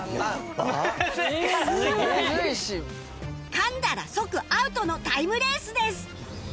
噛んだら即アウトのタイムレースです